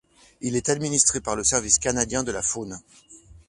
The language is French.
Il est administré par le Service canadien de la faune.